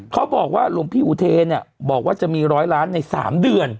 เขาบอกว่าหลวงพี่อุเทเนี่ยบอกว่าจะมีร้อยล้านในสามเดือน